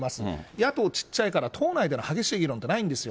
野党ちっちゃいから、党内での激しい議論ってないんですよ。